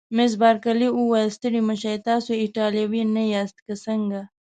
مس بارکلي وویل: ستړي مه شئ، تاسي ایټالوي نه یاست که څنګه؟